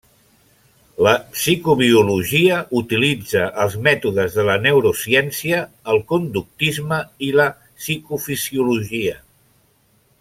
La psicobiologia utilitza els mètodes de la neurociència, el conductisme i la psicofisiologia.